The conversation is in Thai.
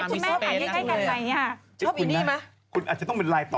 เพิ่มหวังว่าเธอเป็นใช่ไหม